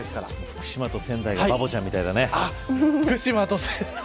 福島と仙台バボちゃんみたいだね。